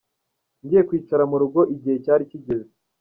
Ngiye kwicara mu rugo igihe cyari kigeze.